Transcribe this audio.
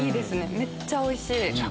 めっちゃおいしい！